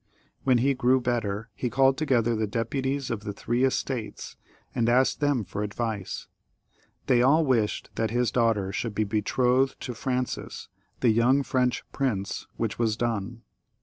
When he grew better he called together the deputies of the Three Estates, and XXXIII.] JLOUIS XU. 235 asked them for advice. They all wished that his daughter should be betrothed to Francis, the young French prince, which was done.